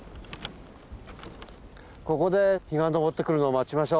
ここで日が昇ってくるのを待ちましょう。